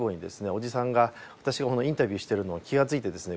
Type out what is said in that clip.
おじさんが私がこのインタビューしてるのを気がついてですね